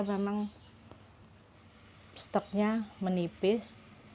jenis arv memang stoknya menipis